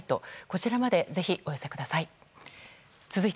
こちらまでぜひお寄せください。